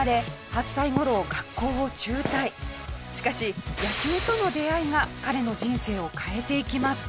しかし野球との出会いが彼の人生を変えていきます。